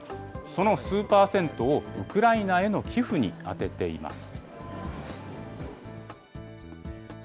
その数％を、ウクライナへの寄付に充てています。